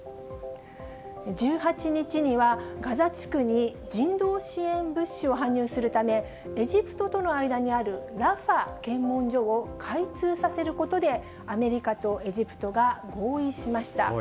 １８日には、ガザ地区に人道支援物資を搬入するため、エジプトとの間にあるラファ検問所を開通させることでアメリカとエジプトが合意しました。